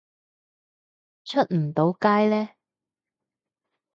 出唔到街呢